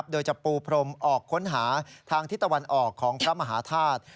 โดยจะปูพรมออกค้นหาทางทิศตะวันออกของพระมหาธาตุ